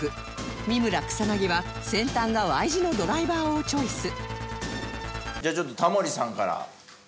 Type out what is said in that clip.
美村草薙は先端が Ｙ 字のドライバーをチョイスじゃあちょっとタモリさんから。